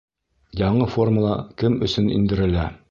— Яңы формула кем өсөн индерелә?